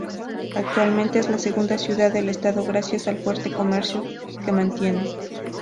Actualmente es la segunda ciudad del estado gracias al fuerte comercio que mantiene.